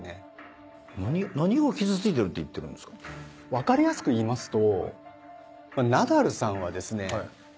分かりやすく言いますと。